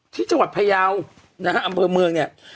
ที่จังหวัดพยาวนะฮะอำเภอเมืองเนี่ย